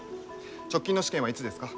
直近の試験はいつですか？